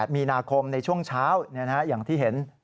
มีนาคมในช่วงเช้าอย่างที่เห็น